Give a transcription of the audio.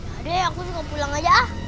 yaudah aku juga pulang aja ah